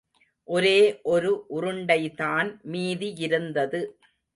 ஒரே ஒரு உருண்டைதான் மீதியிருந்தது.